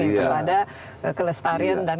kepada kelestarian dan